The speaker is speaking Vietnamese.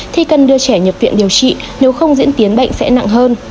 thì cần đưa trẻ nhập viện điều trị nếu không diễn tiến bệnh sẽ nặng hơn